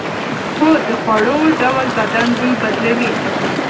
هو، د خوړو ډول بدن بوی بدلوي.